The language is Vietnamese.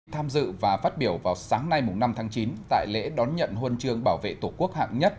tham dự và phát biểu vào sáng nay năm tháng chín tại lễ đón nhận huân chương bảo vệ tổ quốc hạng nhất